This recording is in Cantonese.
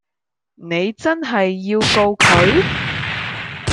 你真係要告佢